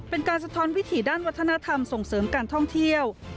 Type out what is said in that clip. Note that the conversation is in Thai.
สะท้อนวิถีด้านวัฒนธรรมส่งเสริมการท่องเที่ยว